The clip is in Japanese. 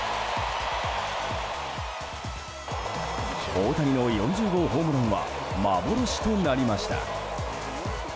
大谷の４０号ホームランは幻となりました。